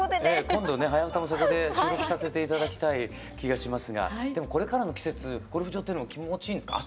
今度ね「はやウタ」もそこで収録させて頂きたい気がしますがでもこれからの季節ゴルフ場っていうのも気持ちいいんですか？